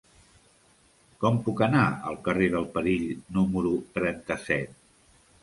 Com puc anar al carrer del Perill número trenta-set?